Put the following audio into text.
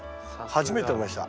初めて食べました。